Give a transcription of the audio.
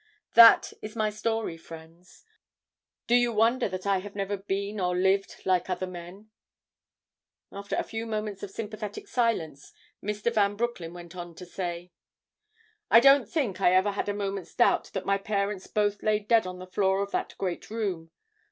"That is my story, friends. Do you wonder that I have never been or lived like other men?" After a few moments of sympathetic silence, Mr. Van Broecklyn went on, to say: "I don't think I ever had a moment's doubt that my parents both lay dead on the floor of that great room.